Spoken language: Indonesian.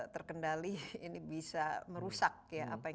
terkendali ini bisa merusak ya apa ya